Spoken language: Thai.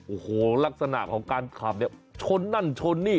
โอ้โหลักษณะของการขับเนี่ยชนนั่นชนนี่